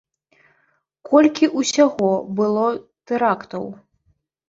Колькі ўсяго было тэрактаў?